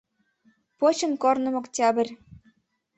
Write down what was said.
Почын корным Октябрь